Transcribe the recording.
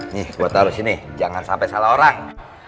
nih gue taruh sini jangan sampai salah orang